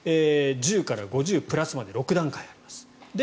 １０から５０プラスまで６段階あります。